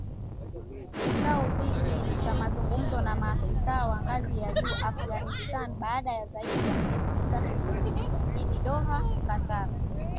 Kikao hiki ni cha mazungumzo na maafisa wa ngazi ya juu wa Afghanistan, baada ya zaidi ya miezi mitatu, mjini Doha, Qatar